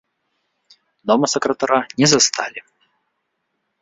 Дома сакратара не засталі.